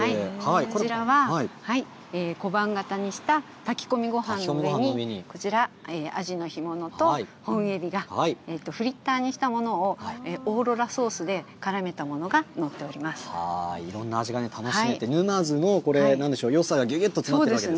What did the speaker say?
こちらは小判型にした炊き込みごはんの上に、こちら、アジの干物と本エビがフリッターにしたものを、オーロラソースでからめいろんな味が楽しめて、沼津のこれ、なんでしょう、よさがぎゅぎゅっと詰まっているわけです